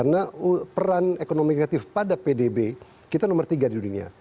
karena peran ekonomi kreatif pada pdb kita nomor tiga di dunia